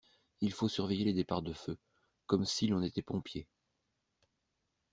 Il faut surveiller les départs de feu, comme si l’on était pompier.